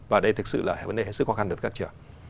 và đây thực sự là vấn đề hết sức khó khăn đối với các trường